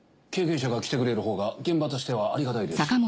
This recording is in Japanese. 経験者が来てくれるほうが現場としてはありがたいですし。